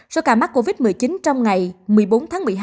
số ca mắc covid một mươi chín trong ngày một mươi bốn tháng một mươi hai